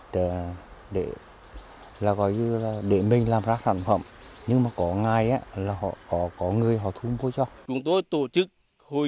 thấy được hiệu quả của bưởi